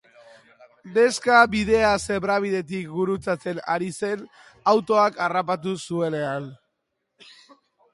Neska bidea zebrabidetik gurutzatzen ari zen autoak harrapatu zuenean.